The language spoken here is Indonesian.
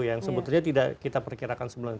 yang sebetulnya tidak kita perkirakan sebelumnya